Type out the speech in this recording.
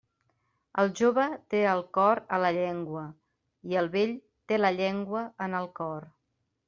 El jove té el cor a la llengua, i el vell té la llengua en el cor.